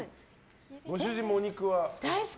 ご主人もお肉は？